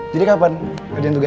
jadi kapan kerjaan tugas